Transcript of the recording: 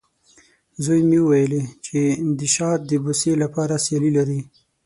زوی مې وویلې، چې د شات د بوسې لپاره سیالي لري.